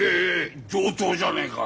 上等じゃねえか。